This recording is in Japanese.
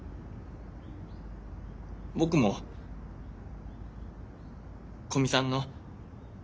僕も古見さんの。